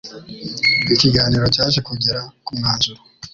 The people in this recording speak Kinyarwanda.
Ikiganiro cyaje kugera ku mwanzuro.